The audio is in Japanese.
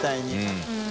うん。